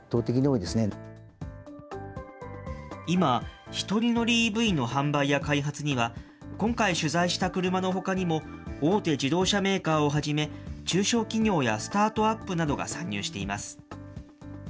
今、１人乗りＥＶの販売や開発には、今回取材した車のほかにも、大手自動車メーカーをはじめ、中小企業やスタートアップなどが参入しています。